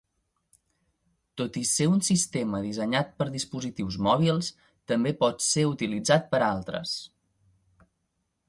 Tot i ser un sistema dissenyat per dispositius mòbils també pot ésser utilitzat per altres.